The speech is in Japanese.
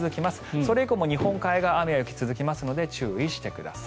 それ以降も日本海側は雨や雪が続きますので注意してください。